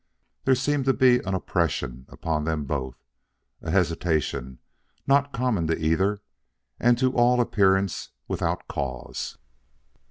There seemed to be an oppression upon them both a hesitation not common to either, and to all appearance without cause.